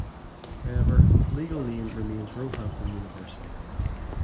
However, its legal name remains Roehampton University.